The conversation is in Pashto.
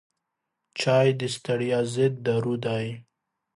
چای د ستړیا ضد دارو دی.